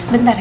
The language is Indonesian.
bentar ya ma